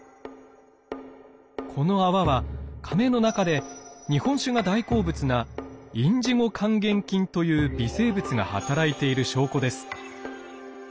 この泡はかめの中で日本酒が大好物なインジゴ還元菌という微生物が働いている証拠です。